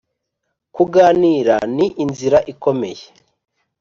kuganira ni inzira ikomeye